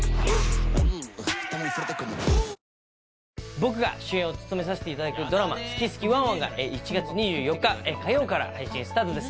僕が主演を務めさせていただくドラマ、すきすきワンワン！が、１月２４日火曜から配信スタートです。